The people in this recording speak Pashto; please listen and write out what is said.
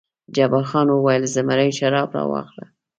جبار خان وویل: زمري شراب راواخله.